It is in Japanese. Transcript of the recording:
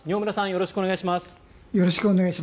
よろしくお願いします。